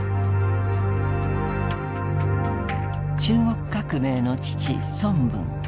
中国革命の父孫文。